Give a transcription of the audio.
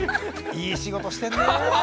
いい仕事してんね。